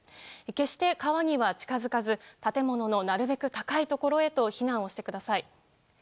決して川には近づかず建物のなるべく高いところへと避難をしてください。